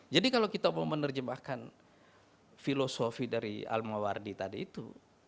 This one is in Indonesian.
jadi kalau kita mau menerjemahkan filosofi dari almawardi tadi itu